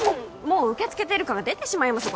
もう受け付けている感が出てしまいます